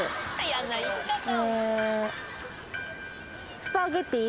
スパゲティ。